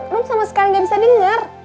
rum sama sekali gak bisa denger